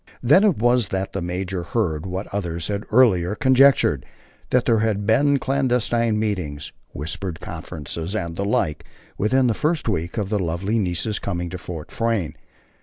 Then it was that the major heard what others had earlier conjectured that there had been clandestine meetings, whispered conferences and the like, within the first week of the lovely niece's coming to Fort Frayne.